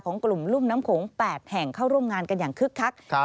กลุ่มรุ่มน้ำโขง๘แห่งเข้าร่วมงานกันอย่างคึกคัก